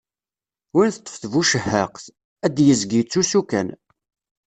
Win teṭṭef tbucehhaqt, ad yezg yettusu kan.